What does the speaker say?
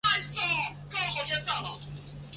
明代万历时期任御马监监丞。